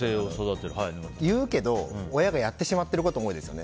言うけど、親がやってしまっていることも多いですよね。